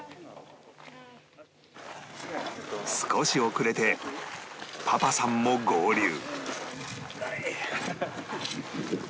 少し遅れてパパさんも合流